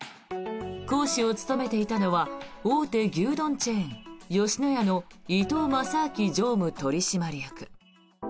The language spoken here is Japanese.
講師を務めていたのは大手牛丼チェーン、吉野家の伊東正明常務取締役。